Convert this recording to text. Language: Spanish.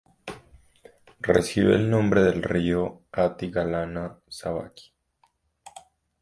Recibe el nombre del río Athi-Galana-Sabaki.